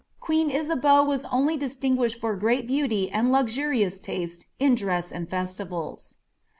Queen Isabeau was only distinguished for great beauty an^ luxurious taste in dress and festivals.